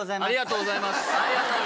ありがとうございます。